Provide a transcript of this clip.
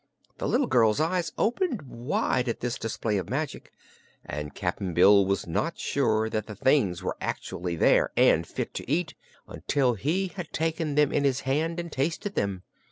The little girl's eyes opened wide at this display of magic, and Cap'n Bill was not sure that the things were actually there and fit to eat until he had taken them in his hand and tasted them.